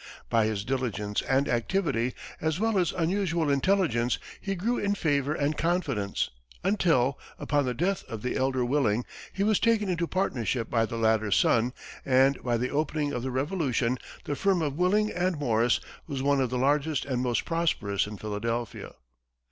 By his diligence and activity, as well as unusual intelligence, he grew in favor and confidence, until, upon the death of the elder Willing, he was taken into partnership by the latter's son, and by the opening of the Revolution, the firm of Willing & Morris was one of the largest and most prosperous in Philadelphia.